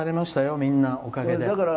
みんな、おかげで。